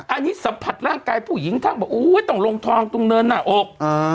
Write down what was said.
อันนี้สัมผัสร่างกายผู้หญิงทั้งบอกอุ้ยต้องลงทองตรงเนินหน้าอก